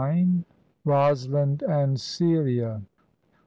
ROSALIND AND CELIA.